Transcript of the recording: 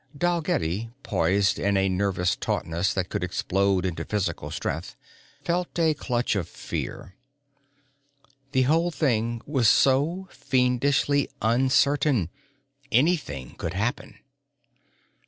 Dalgetty, poised in a nervous tautness that could explode into physical strength, felt a clutch of fear. The whole thing was so fiendishly uncertain anything could happen.